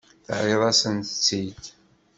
Terriḍ-asent-tt-id.